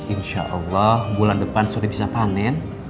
insya allah bulan depan sudah bisa panen